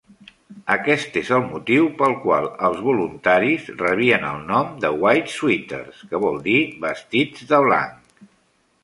Aquest és el motiu pel qual els voluntaris rebien el nom de "White Suiters", que vol dir vestits de blanc.